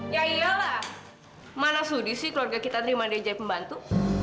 ya iyalah mana sudi sih keluarga kita terima dia jadi pembantu